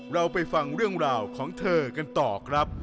เราไปฟังเรื่องราวของเธอกันต่อครับ